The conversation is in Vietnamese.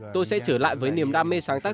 tôi sẽ trở lại với niềm đam mê sáng tác